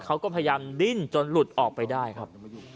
เขาก็พยายามดิ้นจนหลุดออกไปได้ครับ